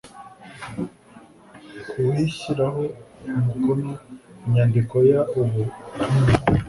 kuhishyiraho umukono inyandiko y ubutumwa